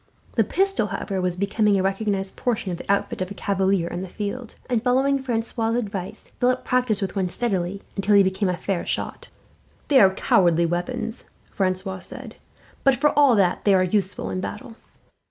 The pistol, however, was becoming a recognized portion of the outfit of a cavalier in the field and, following Francois' advice, Philip practised with one steadily, until he became a fair shot. "They are cowardly weapons," Francois said, "but for all that they are useful in battle.